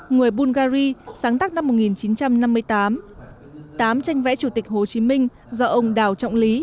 người bungary sáng tác năm một nghìn chín trăm năm mươi tám tám tranh vẽ chủ tịch hồ chí minh do ông đào trọng lý